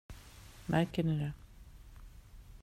Märker ni det?